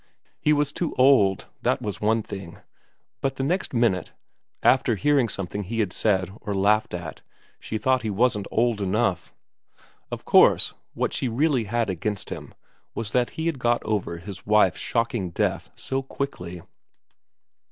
He was too old, that was one thing ; but the next minute, after hearing something he had said or laughed at, she thought he wasn't old enough. Of course what she really had against him was that he had got over his wife's shocking death so quickly.